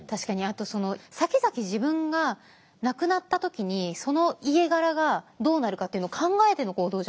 あとさきざき自分が亡くなった時にその家柄がどうなるかっていうのを考えての行動じゃないですか。